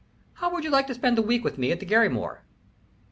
How would you like to spend the week with me at the Garrymore?"